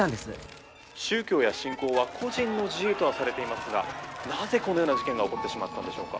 宗教や信仰は個人の自由とはされていますがなぜこのような事件が起こってしまったんでしょうか？